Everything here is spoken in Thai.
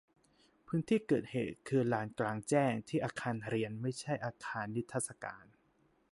พื้นที่เกิดเหตุคือลานกลางแจ้งที่อาคารเรียนไม่ใช่อาคารนิทรรศการ